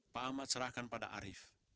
pak ahmad cerahkan pada arif